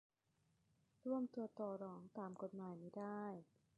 รวมตัวต่อรองตามกฎหมายไม่ได้